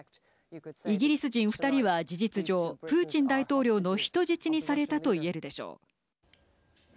イギリス人２人は事実上プーチン大統領の人質にされたといえるでしょう。